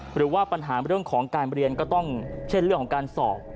หรือว่าปัญหาเรื่องของการเรียนก็ต้องเช่นเรื่องของการสอบ